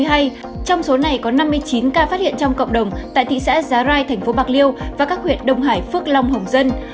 trong số này có năm mươi chín ca phát hiện trong cộng đồng tại thị xã giá rai thành phố bạc liêu và các huyện đông hải phước long hồng dân